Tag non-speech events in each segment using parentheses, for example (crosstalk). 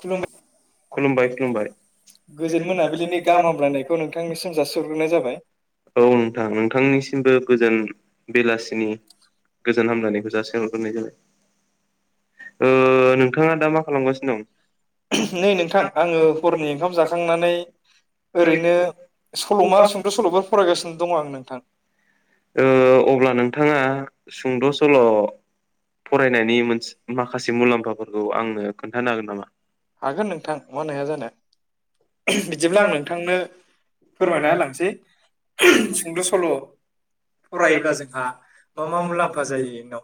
खुलुमबाय। खुलुमबाय खुलुमबाय। गोजोन मोनाबिलिनि गाहाम हामब्लायनायखौ नोंथांनिसिम जासिहरग्रोनाय जाबाय। औ नोंथां नोंथांनि सि सिमबो गोजोन बेलासिनि गोजोन हामलायनायखौ जासिहरग्रोनाय जाबाय। ओ नोंथाङा दा मा खालामगासिनो दं? नै नोंथां आङो हरनि ओंखाम जाखांनानै ओरैनो सल'मा सुंद' सल'फोर फरायगासिनो दङ आं नोंथां। ओ अब्ला नोंथाङा सुंद' सल' फरायनायनि मोनसे माखासे मुलाम्फाफोरखौ आंनो खोन्थानो हागोन नामा? हागोन नोंथां मानो हाया जानो बिदिब्ला आं नोंथांनो फोरमायना होलांसै सुंद' सल' फरायोब्ला जोंहा मा मा मुलाम्फा जायो न'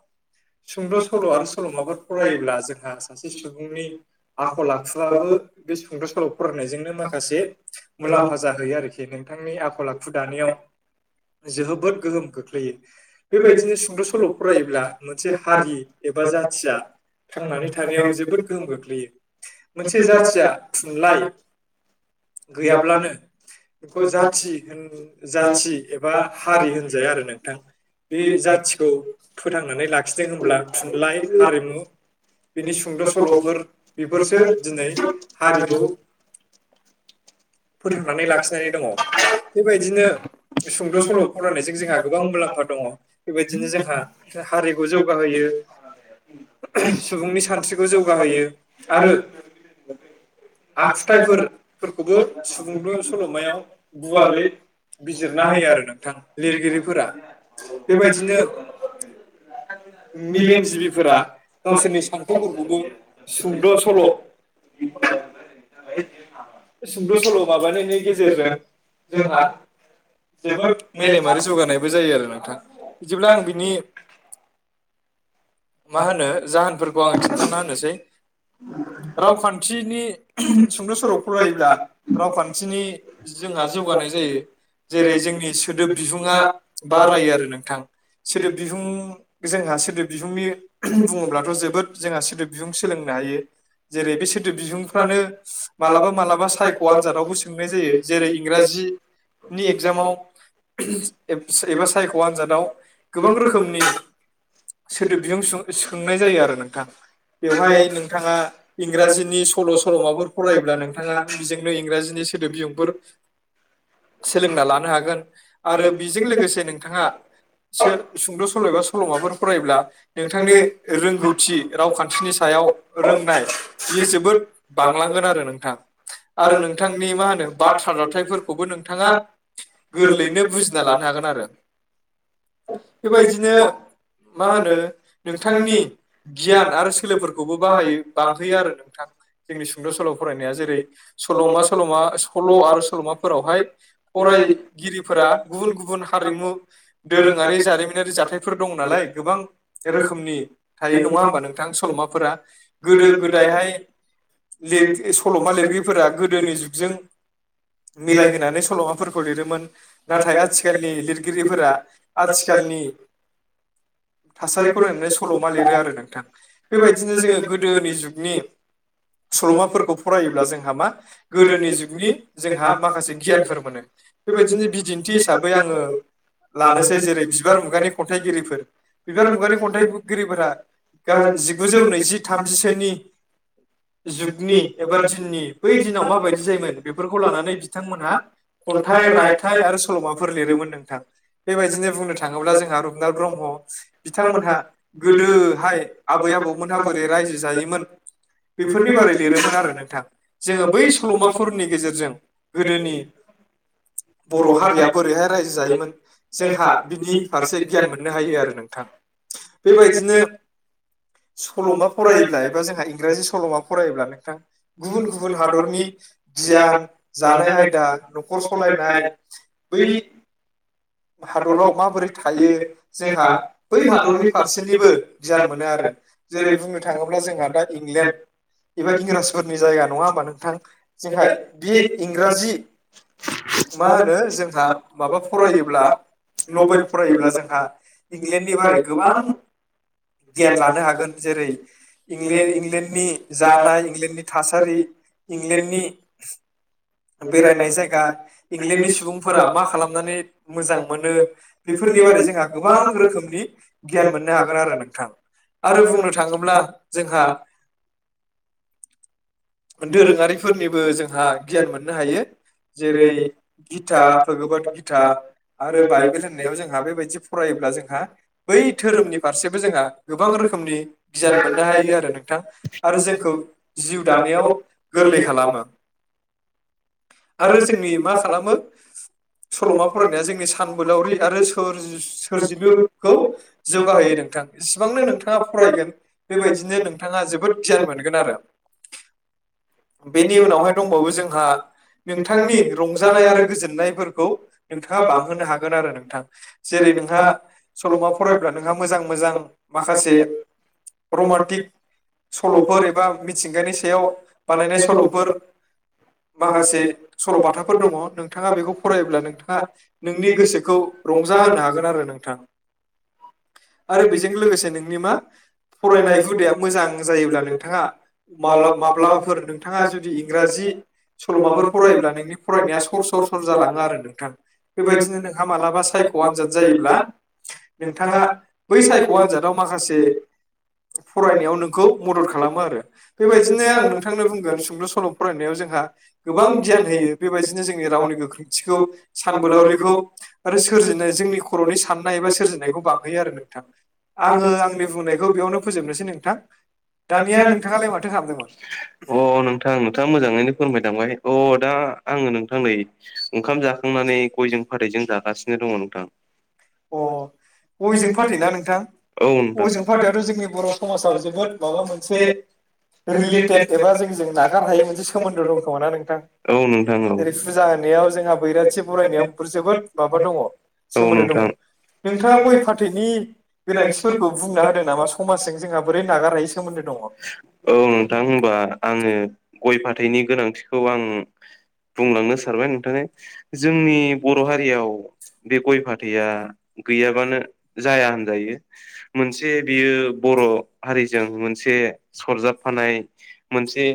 सुंद' सल' आरो सल'माफोर फरायोब्ला जोंहा सासे सुबुंनि आखल आखुआबो बे सुंद' सल' फरायनायजोंनो माखासे मुलाम्फा जाहैयो आरोखि नों थांनि आखल आखु दानायाव (inaudible) जोहोबोद गोहोम खोख्लैयो बेबायदिनो सुंद' सल' फरायोब्ला मोनसे हारि एबा जाथिया (unintelligible) थांनानै थानायाव जोबोद गोहोम गोगलैयो। मोनसे जाथिया थुनलाइ गैयाब्लानो बेखौ जाथि होन जाथि एबा हारि होनजाया आरो नोंथां। बे जाथिखौ फोथांनानै लाखिदों होनब्ला थुनलाइ हारिमु बिनि सुंद' सल'फोर बेफोरसो दिनै हारिखौ (unintelligible) फोथांनानै लाखिनानै दङ बेबायदिनो सुंद' सल' फरायनायजों जोंहा गोबां मुलाम्फा दं। दङ बेबायदिनो जोंहा ओ हारिखौ जौगा होयो। सुबुंनि सानस्रिखौ जौगाहोयो। आरो आखुथाइफोर फोरखौबो सुबुंलु सल'मायाव गुवारै बिजिरना होयो आरो नोंथां लिरगिरिफोरा बेबायदिनो मिलेमजिबिफोरा गावसोरनि सान्थौफोरखौबो सुद' सल' (unintelligible) सुंद' सल' माबानायनि गेजेरजों जोंहा जोबोद मेलेमारि जौगानायबो जायो आरो नोंथां बिदिब्ला आं बिनि मा होनो? जाहोनफोरखौ आं खिन्थाना होनोसै। रावखान्थिनि (unintelligible) सुंद' सर' फरायोब्ला रावखान्थिनि जोंहा जौगानाय जायो। जेरै जोंनि सोदोब बिहुङा बारायो आरो नोंथां। सोदोब बिहुं जोंहा सोदोब बिहुंनि बुङोब्लाथ' जोबोद जोंहा सोदोब बिहुं सोलोंनो हायो जेरै बे सोदोब बिहुंफ्रानो। मालाबा मालाबा सायख' आनजादावबो सोंनाय जायो जेरै इंराजि नि एगजामाव। (unintelligible) एबा सायख' आनजादाव गोबां रोखोमनि। सोदोब बिहुं सु सुखांनाय जायो आरो नोंथां। बेवहाय नोंथाङा इंराजिनि सल' सल'माफोर फरायोब्ला नोंथाङा बिजोंनो इंराजिनि सोदोब बिहुंफोर सोलोंना लानो हागोन आरो बिजों लोगोसे नोंथाङा सोर सुंद' सल' एबा सल'माफोर फरायोब्ला नोंथांनि रोंगौथि रावखान्थिनि सा याव रोंनाय बियो जोबोद बांलांगोन आरो नोंथां आरो नोंथांनि मा होन नों बाथ्रा दाथायफोरखौबो नोंथाङा गोरलैयैनो बुजिना लानो हागोन आरो बेबायदिनो मा होनो नोंथांनि गियान आरो सोलोफोरखौबो बाहायो बांहोयो आरो नोंथां बिस सुंद' सल' फरायनाया जेरै सल'मा सल'मा सल' आरो सल'माफोरावहाय फरायगिरिफोरा गुबुन गुबुन हारिमु दोरोङारि जारिमिनारि जाथाय फोर दं नालाय गोबां रोखोमनि थायो नङा होमबा नोंथां सल'माफोरा? गोदो गोदायहाय लिर सल'मा लिरगिरिफोरा गोदोनि जुगजों मिलायहोनानै सल'माफोरखौ लिरोमोन नाथाय आथिखालनि लिरगिरिफोरा आथिखालनि थासारिखौ नायनानै सल'मा लिरो आरो नोंथां बेबायदिनो जोङो गोदोनि जुगनि सल'माफोरखौ फरायोब्ला जोंहा मा गोदोनि जुगनि जोंहा माखासे गियानफोर मोनो बेबाय दिनो बिदिन्थि हिसाबै आङो लानोसै जेरै बिबार मुगानि खन्थाइगिरिफोर बिबार मुगानि खन्थाइगिरिफोरा आ जिगुजौ नैजि थामजिसेनि जुगनि एबा दिननि बै दिनाव माबायदि जायोमोन बेफोरखौ लानानै बिथांमोनहा खन्थाइ रायथाइ आरो सल'माफोर लिरोमोन नोंथां बेबायदिनो बुंनो थाङोब्ला जोंहा रुपनाथ ब्रम्ह बिथांमोनहा गोदोहाय आबै आबौमोनहा बोरै रायजो जायोमोन बेफोरनि बारै लिरोमोन आरो नोंथां जोङो बै सल'माफोरनि गेजेरजों गोदोनि बर' हारिया बोरैहाय रायजो जायोमोन जोंहा बिनि फारसे गियान मोननो हायो आरो नोंथां बेबायदिनो सल'मा फरायोब्ला एबा जोंहा इंराजि सल'मा फरायोब्ला नोंथां गुबुन गुबुन हादरनि गियान जानाय आयदा न'खर सलाय नाय बै हादराव माबोरै थायो जोंहा बै हादरनि फारसेनिबो गियान मोनो आरो जेरै बुंनो थाङोब्ला जोंहा दा इंलेण्ड एबा इंराजफोरनि जायगा नङा होमबा नोंथां जोंहा बे इंराजि मा होनो जोंहा माबा फरायोब्ला नबेल फरायोब्ला जोंहा इंलेण्डनि बारै गोबां गियान लानो हागोन जेरै इं इंलेण्डनि जानाय इंलेण्डनि थासारि इंलेण्डनि बेरायनाय जायगा इंलेण्डनि सुबुंफोरा मा खालामनानै मोजां मोनो बेफोरनि बारै जोंहा गोबां रोखोमनि गियान मोननो हागोन आरो नोंथां आरो बुंनो थाङोब्ला जोंहा दोरोङारिफोरनिबो जोंहा गियान मोननो हायो जेरै गिता भगोबत गिता आरो बाइबेल होननायाव जोंहा बेबायदि फरायोब्ला जों जोंहा बै धोरोमनि फारसेबो जोंहा गोबां रोखोमनि गियान मोननो हायो आरो नोंथां आरो जोंखौ जिउ दानायाव गोरलै खालामो आरो जोंनि मा खालामो सल'मा फरायनाया जोंनि सान बोलावरि आरो सोर सोरजिलुखौ जौगाहोयो नोंथां जेसेबांनो नोंथाङा फरायगोन बेबायदिनो नोंथाङा जोबोद गियान मोनगोन आरो बेनि उनावहाय दंबावो जोंहा नोंथांनि रंजानाय आरो गोजोननायफोरखौ नोंथाङा बांहोनो हागोन आरो नोंथां जेरै नोंहा सल'मा फरायब्ला नोंहा मोजां मोजां माखासे रमान्टिक (unintelligible) सल'फोर एबा मिथिंगानि सायाव बानायनाय सल'फोर माखासे सल'बाथाफोर दङ नोंथाङा बेखौ फरायोब्ला नोंथाङा नोंनि गोसोखौ रंजा होनो हागोन आरो नोंथां (inaudible) आरो बेजों लोगोसे नोंनि मा फरायनाय हुदाया मोजां जायोब्ला नोंथाङा माला माब्लाबाफोर नोंथाङा जुदि इंराजि सल'माफोर फायोब्ला नोंनि फरायनाया सर सर सर जालाङो आरो नोंथां बेबायदिनो नोंहा मालाबा साय ख' आनजाद जायोब्ला नोंथाङा बै सायख' आनजादाव माखासे फरायनायाव नों खौ मदद खालामो आरो बेबायदिनो आं नोंथांनो बुंगोन सुंद' सल' फरायनायाव जोंहा गोबां गियान होयो बेबायदिनो जोंनि रावनि गोख्रोंथिखौ सान बोलावरिखौ आरो सोरजिनाय जोंनि खर'नि साननाय एबा सोरजिनायखौ बांहोयो आरो नोंथां आङो आंनि बुंनायखौ बेयावनो फोजोबनोसै नोंथां अ दानिया नोंथाङालाय माथो खालामदोंमोन नोंथां नोंथाङा मोजाङैनो फोरमाय लांबाय अ दा आङो नोंथांनै ओंखाम जाखांनानै गयजों फाथैजों जागासिनो दङ नोंथां अ गयजों फाथैना ना नोंथां औ नोंथां। गयजों फाथैआथ' जोंनि बर' समाजाव जोबोद माबा मोनसे रिलेटेद एबा जोंजों नागार हायै मोनसे सोमोन्दो दंखोमा ना नोंथां औ नोंथां औ जेरै फुजा होनायाव जोंहा बैराथि बरायनायाव जोबोद माबा दङ औ सोमोन्दो दङ नोंथां। नोंथाङा गय फाथैनि गोनांथिफोरखौ बुंना होदों नामा समाजजों जोंहा बोरै नागारहायै सोमोन्दो दङ औ नोंथां होनबा आङो गय फाथैनि गोनांथि खौ आं बुंलांनो सारबाय नोंथांनि जोंनि बर' हारियाव बे गय फाथैआ गैयाबानो जाया होनदों जायो मोनसे बियो बर' हारिजों मोनसे सरजाबफानाय मोनसे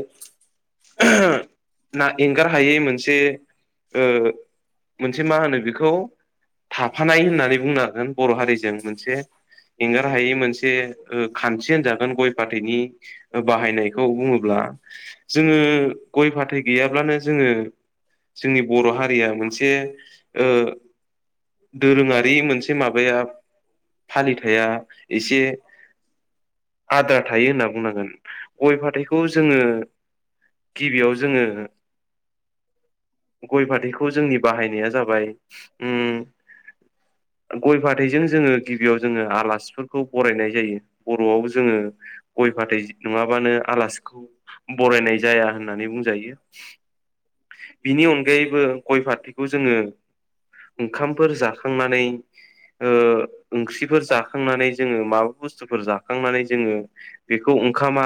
ना एंगार हायै मोनसे ओ मोनसे मा होनो बेखौ थाफानाय होननानै बुंनो हागोन बर' हारिजों मोनसे एंगार हायि मोनसे खान्थि होनजागोन गय फाथैनि बाहायनायखौ बुं बुङोला जोङो गय फाथै गैयाब्लानो जोङो जोंनि बर' हारिया मोनसे ओ दोरोङारि मोनसे माबाया फालिथाया एसे आद्रा थायो होनना बुंनांगोन गय फाथैखौ जोङो गिबियाव जोङो गय फाथैखौ जोंनि बाहायनाया जाबाय उम गय फाथैजों जोङो गिबियाव जोङो आलासिफोरखौ बरायनाय जायो बर'आव जोङो गय फाथै नङाबानो आलासिखौ बरायनाय जाया होननानै बुंजायो बिनि अनग अनगायबो गय फाथैखौ जोङो ओंखामफोर जाखांनानै ओ ओंख्रिफोर जाखांनानै जोङो माबा बुस्थुफोर जाखांनानै जोङो बेखौ ओंखामा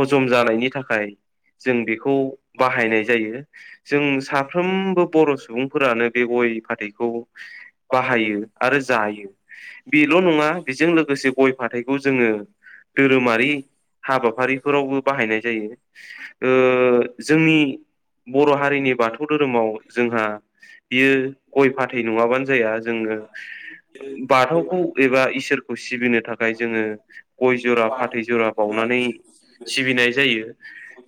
हजम जानायनि थाखाय जों बेखौ बाहायनाय जायो। जों सा सानफ्रोमबो बर' सुबुंफोरानो बे गय-फाथैखौ बाहायो आरो जायो। बेल' नङा बिजों लोगोसे गय-फाथैखौ जोङो धोरोमारि हाबाफारिफोरावबो बाहायनाय जायो। ओ जोंनि बर' हारिनि बाथौ धोरोमाव जोंहा बियो गय-फाथै नङाबानो जाया जोङो। बाथौखौ एबा इसोरखौ सिबिनो थाखाय जोङो गय जरा फाथै जरा बावनानै सिबिनाय जायो।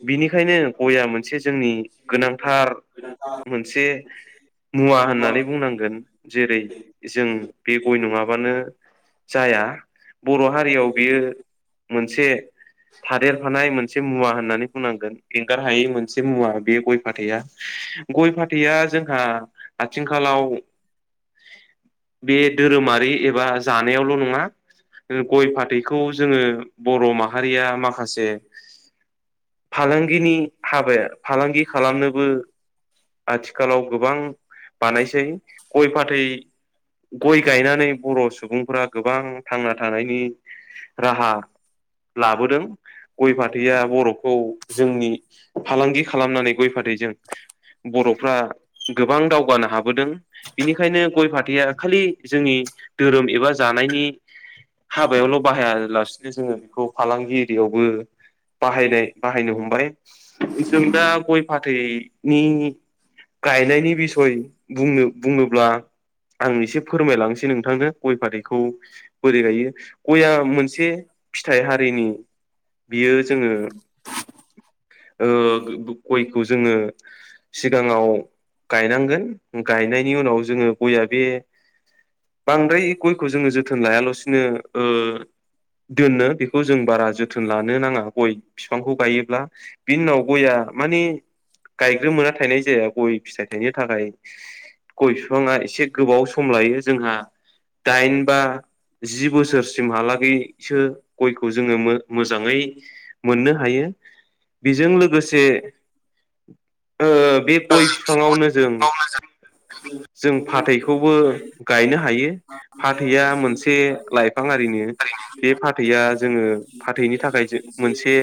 बि बेनिखायनो गया मोनसे जोंनि गोनांथार मोनसे मुवा होननानै बुंनांगोन जेरै जों बे गय नङाबानो जाया। बर' हारियाव बियो मोनसे थादेरफानाय मोनसे मुवा होननानै बुंनांगोन एंगार हायै मोनसे मुवा बे गय-फाथैआ गय-फाथैआ जोंहा आथिंखालाव बे धोरोमारि एबा जानायावल' नङा, गय-फाथैखौ जोङो बर' माहारिया माखासे फालांगिनि हाबाया फालांगि खालामनोबो आथिखालाव गोबां बानायसै गय-फाथै गय गायनानै बर' सुबुंफोरा गोबां थांना थानायनि राहा लाबोदों। गय-फाथैया बर'खौ जोंनि फालांगि खालामनानै गय-फाथ फाथैजों बर'फ्रा गोबां दावगानो हाबोदों बेनिखायनो गय-फाथैया खालि जोंनि धोरोम एबा जानायनि हाबायावल' बाहायालासिनो जोङो बिखौ फालांगि एरियावबो बाहायनाय बाहायनो हमबाय जों दा गय-फाथैनि गायनायनि बिसय बुंनो बुङोब्ला आं एसे फोरमायलांनोसै नोंथांनो गय-फाथैखौ बोरै गायो गया मोनसे फिथाइ हारि बि बियो जोङो ओ गयखौ जोङो सिगाङाव गायनांगोन गायनायनि उनाव जोङो गया बे बांद्राय गयखौ जोङो जोथोन लायालासिनो ओ दोनो बेखौ जों बारा जोथोन लानो नाङा गय बिफांखौ गायोब्ला बिनि उनाव गया माने गायग्रोमोना थायनाय जाया। गय फिथाइ थायनो थाखाय गय बिफाङा एसे गोबाव सम लायो जोंहा दाइन बा जि बोसोरसिमहालागैसो गयखौ जोङो मो -मोजाङै मोननो हायो। बेजों लोगोसे ओ बे गय बिफाङावनो जों जों फाथै खौबो गायनो हायो फाथैया मोनसे लाइफां हारिनि। बे फाथैया जोङो फाथैनि थाखाय मोनसे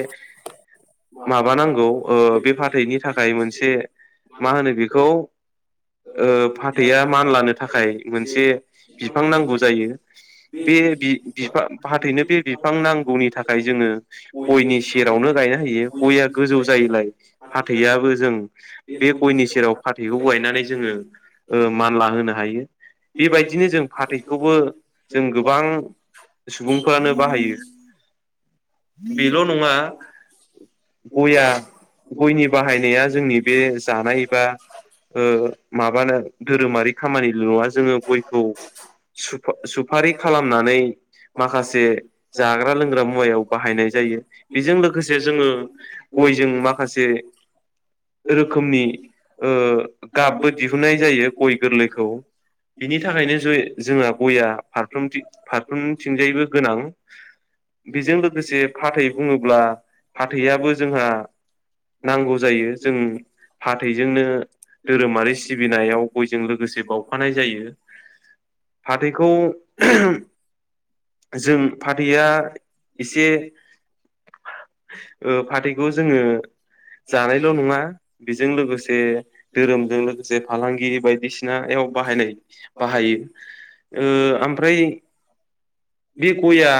माबानांगौ ओ बे फाथैनि थाखाय मोनसे मा होनो बिखौ ओ फाथैआ मानलानो थाखाय मोनसे बिफां नांगौ जायो। बे बि-बिफां फाथैनो बे बिफां नांगौनि थाखाय जोङो गयनि सेरावनो गाय गायना हायो। गया गोजौ जायोलाय फाथैआबो जों बे गयनि सेराव फाथैखौ गाय नानै जोङो ओ मानलाहोना, बेबायदिनो जों फाथैखौबो जों गोबां सुबुंफोरानो बाहायो बेल' नङा, ब बे गया (unintelligible) गयनि बाहायनाया जोंनि बे जानाय बा ओ माबानो धोरोमारि खामानिल' नङा जोङो गयखौ सुफा - सुफारि खालामनानै माखासे जाग्रा लोंग्रा मुवायाव बाह- जायो बेजों लोगोसे जोङो गयजों माखासे रोखोमनि ओ गाबबो दिहुनन्नाय जायो गय गोरलैखौ बिनि थाखायनो जय जोंहा गया फारफ्रोमथि फारफ्रोमथिंजायबो गोनां। बेजों लोगोसे फाथै बुङोब्ला फाथैयाबो जोंहा नांगौ जायो जों फाथैजोंनो धोरोमारि सिबिनायाव गयजों लोगोसे बावफानाय जायो फाथैखौ जों फाथैआ एसे ओ फाथैखौ जोङो जानायल' नङा बेजों लोगोसे धोरोमदों लोगोसे फालांगि बायदिसिनायाव बाहायनाय बाहायो ओ ओमफ्राय बि गया